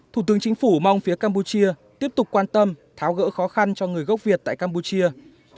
thủ tướng chính phủ mong phía campuchia tiếp tục quan tâm tháo gỡ khó khăn cho người gốc việt